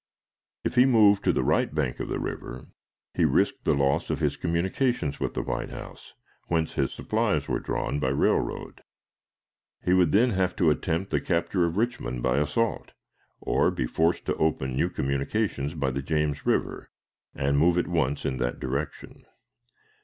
If he moved to the right bank of the river, he risked the loss of his communications with the White House, whence his supplies were drawn by railroad. He would then have to attempt the capture of Richmond by assault, or be forced to open new communications by the James River, and move at once in that direction.